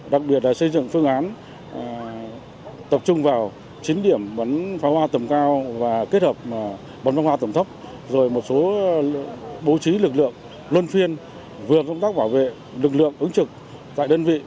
đặc biệt là xây dựng phương án tập trung vào chín điểm bắn pháo hoa tầm cao và kết hợp bắn pháo hoa tầm thấp rồi một số bố trí lực lượng luân phiên vừa công tác bảo vệ lực lượng ứng trực tại đơn vị